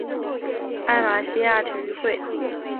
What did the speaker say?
艾马希亚体育会。